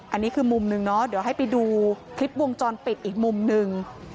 อันนี้คือมุมหนึ่งเนาะเดี๋ยวให้ไปดูคลิปวงจรปิดอีกมุมหนึ่ง